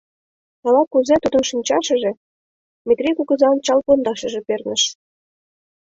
Ала-кузе тудын шинчашыже Метри кугызан чал пондашыже перныш.